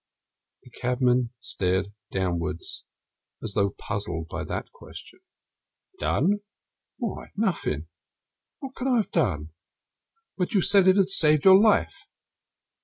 The cabman stared downward, as though puzzled by that question. "Done? Why, nothing. What could I have done?" "But you said that it had saved your life."